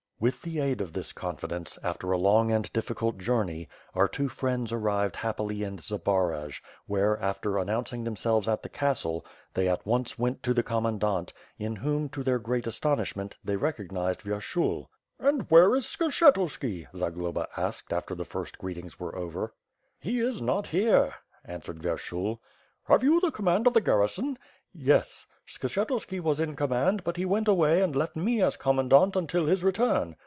With the aid of this confidence, after a long and difficult journey, our two friends arrived happily in Zbaraj, where, after announcing themselves at the castle, they at once went to the commandant, in whom, to their great astonishment, they recognized Vyershul. "And where is Skshetuski?" Zagloba asked, after the first greetings were over. WITH FIRE AND SWORD. 58 1 "He is not here," answered Vyershul. "Have you the command of the garrison?" "Yes. Skshetuski was in command, but he went away and left me as commandant until his return."